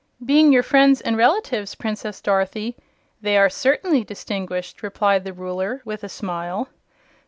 "Being your friends and relatives, Princess Dorothy, they are certainly distinguished," replied the Ruler, with a smile.